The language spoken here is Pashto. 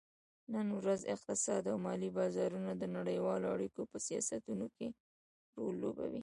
نن ورځ اقتصاد او مالي بازارونه د نړیوالو اړیکو په سیاستونو کې رول لوبوي